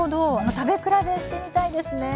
食べ比べしてみたいですね。